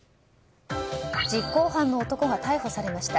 実行犯の男が逮捕されました。